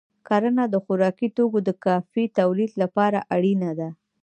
کرنه د خوراکي توکو د کافی تولید لپاره اړینه ده.